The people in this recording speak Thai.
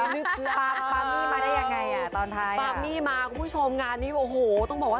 ที่เท่านั้นไม่ได้ออกไปไม่ได้หมดว่าว่า